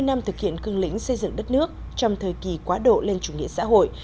bảy mươi năm thực hiện cương lĩnh xây dựng đất nước trong thời kỳ quá độ lên chủ nghĩa xã hội